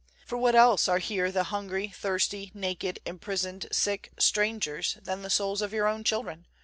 For what else are here the hungry, thirsty, naked, imprisoned, sick, strangers, than the souls of your own children?